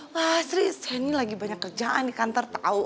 wah sri saya ini lagi banyak kerjaan di kantor tau